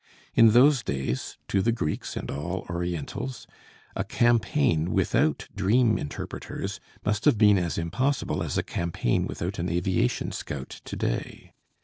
In those days, to the Greeks and all Orientals, a campaign without dream interpreters must have been as impossible as a campaign without an aviation scout to day.